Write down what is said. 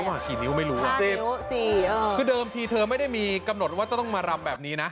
มีเลขไรอ่ะ๕นิ้ว๔คือเดิมที่เธอไม่ได้มีกำหนดว่าจะต้องมารำแบบนี้นะ